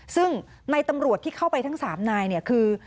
ซึ่งในตำรวจที่เข้าไปทั้ง๓นายเนี่ยคือ